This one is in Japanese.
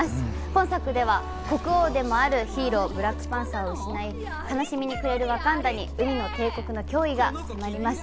今作では国王でもあるヒーロー、ブラックパンサーを失い、悲しみに暮れるワカンダに海の帝国の脅威が迫ります。